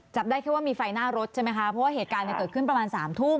จับได้แค่ว่ามีไฟหน้ารถใช่ไหมคะเพราะว่าเหตุการณ์เกิดขึ้นประมาณสามทุ่ม